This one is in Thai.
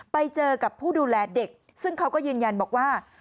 ไปเจอกับผู้ดูแลเด็กซึ่งเขาก็ยืนยันบอกว่า